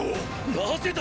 なぜだ⁉